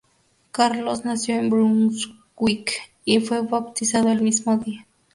Carlos nació en Brunswick y fue bautizado el mismo día.